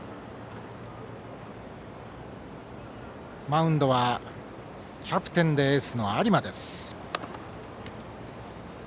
マウンドはキャプテンでエースの有馬です。